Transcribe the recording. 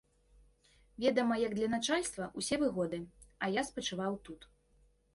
Ведама, як для начальства, усе выгоды, а я спачываў тут.